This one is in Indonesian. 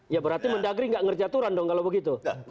ya berarti mendagri gak ngerjaturan dong kalau begitu